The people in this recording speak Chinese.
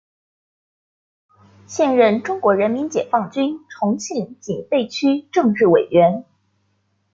现任中国人民解放军重庆警备区政治委员。